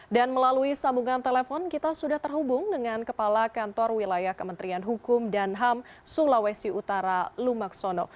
dan melalui sambungan telepon kita sudah terhubung dengan kepala kantor wilayah kementerian hukum dan ham sulawesi utara lumaksono